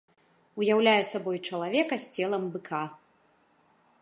Уяўляе сабой чалавека з целам быка.